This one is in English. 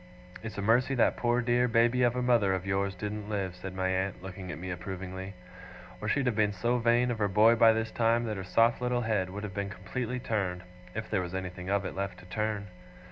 'It's a mercy that poor dear baby of a mother of yours didn't live,' said my aunt, looking at me approvingly, 'or she'd have been so vain of her boy by this time, that her soft little head would have been completely turned, if there was anything of it left to turn.